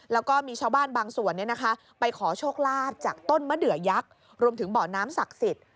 แล้วก็มีชาวบ้านบางส่วนไปขอโชคลาบโหมดเดื๋วยักรวมถึงเบาะน้ำศักดิ์สิทธิ